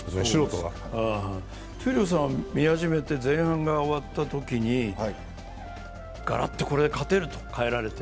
闘莉王さん、見始めて前半が終わったときにガラッとこれで勝てると、変えられて。